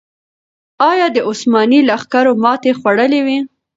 آیا د عثماني لښکرو ماتې خوړلې وه؟